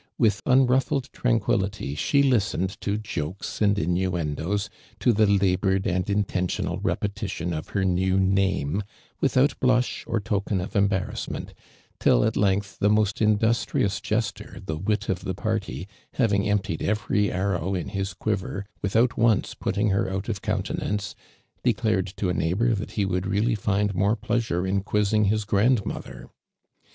With unrufHed tran quillity she listened to jokes and inuendoefl, to the labored and intentional repetition of her new name without blush or token of embarrassment, till at length the most in<lustrious jester, the "wit" of the party, having emptied every arrow in his quiver without once putting her out of counten ance, declared to aneighV)Or thathowoiild really tin<l more pleasure in quizzing his grandmother.